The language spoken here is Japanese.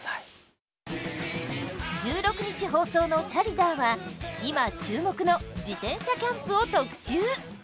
１６日放送の「チャリダー★」は今注目の自転車キャンプを特集。